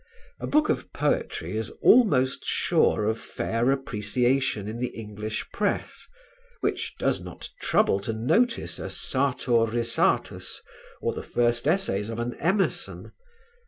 A book of poetry is almost sure of fair appreciation in the English press which does not trouble to notice a "Sartor Resartus" or the first essays of an Emerson.